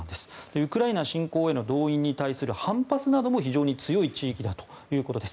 ウクライナ侵攻への動員に対する反発なども非常に強い地域だということです。